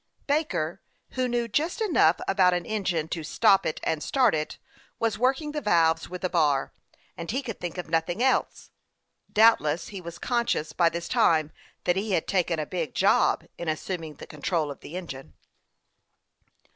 Baker, who knew just enough about an engine to stop and start it, was working the valves with the bar ; and he could think of nothing else. Doubtless he was conscious by this time that he had " taken a big job," in assuming the control of the engine.